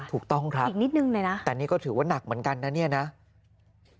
ถูกต้องครับแต่นี่ก็ถือว่าหนักเหมือนกันน่ะเนี่ยนะค่ะอีกนิดหนึ่งเลยนะ